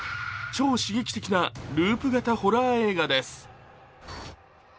超刺激的なループ型ホラー映画です。